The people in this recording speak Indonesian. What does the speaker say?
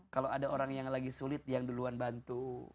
kalau ada orang yang lagi sulit dia yang duluan bantu